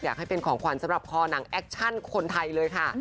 อยากให้เป็นของขวัญสำหรับคอหนังแอคชั่นคนไทยเลยค่ะ